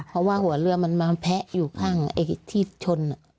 เพราะว่าหัวเรือมันมาแพะอยู่ข้างที่ชน